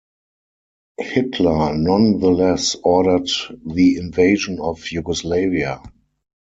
Hitler nonetheless ordered the invasion of Yugoslavia.